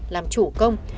làm chủ công